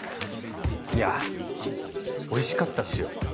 いやおいしかったっすよ。